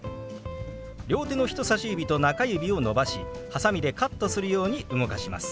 両手の人さし指と中指を伸ばしはさみでカットするように動かします。